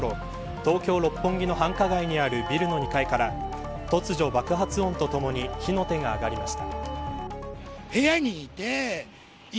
東京、六本木の繁華街にあるビルの２階から突如、爆発音とともに火の手が上がりました。